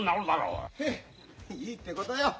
ヘッいいってことよ。